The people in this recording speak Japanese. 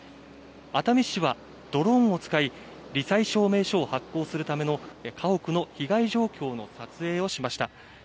熱海市はドローンを使い、り災証明書を発行するための家屋の被害状況の撮影をしました。